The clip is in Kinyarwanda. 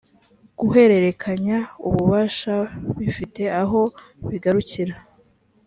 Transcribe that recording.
guhererekanya ububasha bifite aho bigarukira